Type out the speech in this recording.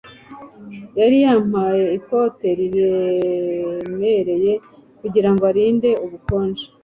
Yari yambaye ikote riremereye kugirango arinde ubukonje